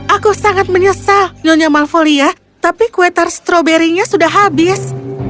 aku sangat menyesal nyonya malfolia tapi kue tar stroberinya sudah habis